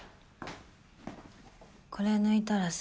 これ抜いたらさ